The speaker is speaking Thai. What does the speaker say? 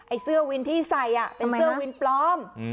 เสื้อวินที่ใส่เป็นเสื้อวินปลอม